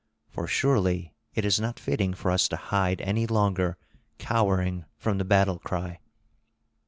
For surely it is not fitting for us to hide any longer cowering from the battle cry."